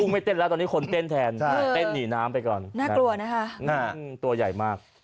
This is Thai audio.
ไม่เต้นแล้วตอนนี้คนเต้นแทนเต้นหนีน้ำไปก่อนน่ากลัวนะคะตัวใหญ่มาก